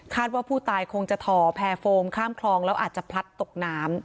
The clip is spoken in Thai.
ว่าผู้ตายคงจะถ่อแพร่โฟมข้ามคลองแล้วอาจจะพลัดตกน้ำ